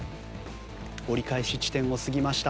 折り返し地点を過ぎました。